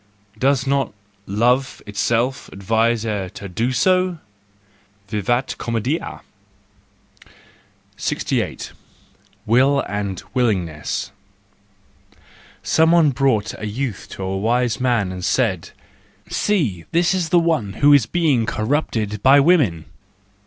Does not—love itself advise her to do so ? Vivat comcedia ! 68 . Will and Willingness .—Some one brought a youth to a wise man and said, "See, this is one who is being corrupted by women!